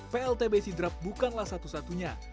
pltbc drap bukanlah satu satunya